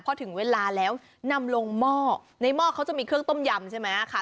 พอถึงเวลาแล้วนำลงหม้อในหม้อเขาจะมีเครื่องต้มยำใช่ไหมค่ะ